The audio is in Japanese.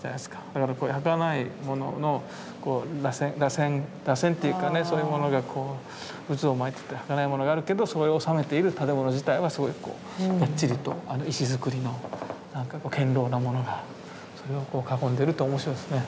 だからはかないもののらせんっていうかねそういうものが渦を巻いててはかないものがあるけどそれを収めている建物自体はすごいこうがっちりと石造りの堅ろうなものがそれを囲んでるって面白いですね。